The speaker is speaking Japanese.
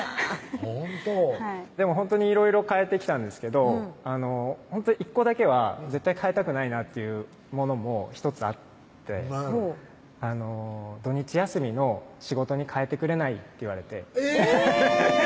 ほんとはいでもほんとにいろいろ変えてきたんですけどほんとに１個だけは絶対変えたくないなっていうものも１つあって何やろ「土日休みの仕事に変えてくれない？」って言われてえぇ！